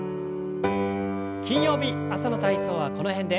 金曜日朝の体操はこの辺で。